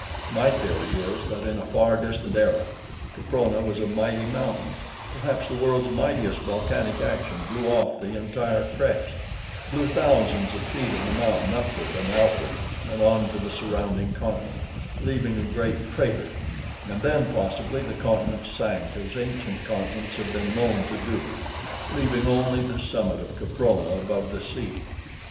My theory is that in a far distant era Caprona was a mighty mountain perhaps the world's mightiest mountain and that in some titanic eruption volcanic action blew off the entire crest, blew thousands of feet of the mountain upward and outward and onto the surrounding continent, leaving a great crater; and then, possibly, the continent sank as ancient continents have been known to do, leaving only the summit of Caprona above the sea.